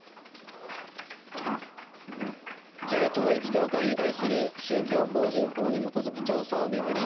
旧統一教会に対する宗教法人法に基づく調査を巡り